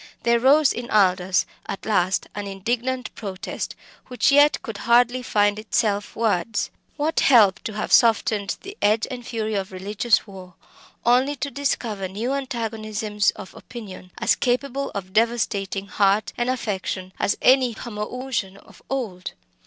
There rose in Aldous at last an indignant protest which yet could hardly find itself words. What help to have softened the edge and fury of religious war, only to discover new antagonisms of opinion as capable of devastating heart and affections as any homoousion of old?